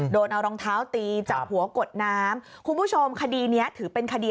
โดนเอารองเท้าตีจับหัวกดน้ำคุณผู้ชมคดีนี้ถือเป็นคดี